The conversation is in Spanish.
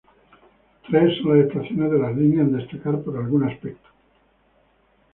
Tres son las estaciones de las líneas en destacar por algún aspecto.